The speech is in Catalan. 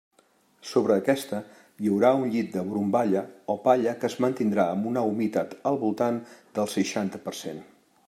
Sobre aquesta hi haurà un llit de borumballa o palla que es mantindrà amb una humitat al voltant del seixanta per cent.